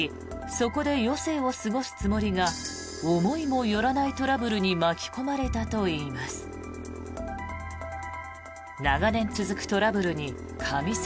そこで余生を過ごすつもりが思いもよらないトラブルに巻き込まれたといいます。